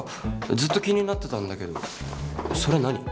ずっと気になってたんだけどそれ何？